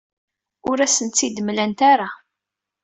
Ur asent-tt-id-mlant ara.